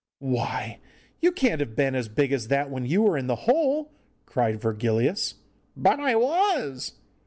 'Why, you can't have been as big as that when you were in the hole!' cried Virgilius. 'But I was!